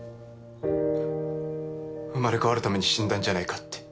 生まれ変わるために死んだんじゃないかって。